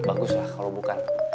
bagus lah kalau bukan